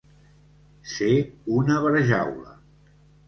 Ser una barjaula.